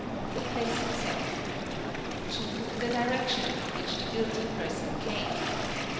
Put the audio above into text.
the place itself ; ii. the direction from which the guilty person came ;* EE BL!